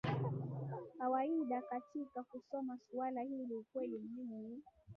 kawaida katika kusoma suala hili Ukweli muhimu ni